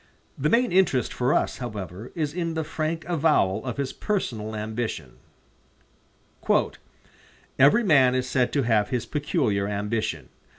The main interest for us, however, is in the frank avowal of his personal ambition. "Every man is said to have his peculiar ambition.